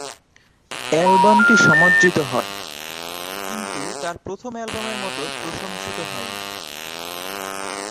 অ্যালবামটি সমাদৃত হয়, কিন্তু তার প্রথম অ্যালবামের মত প্রশংসিত হয়নি।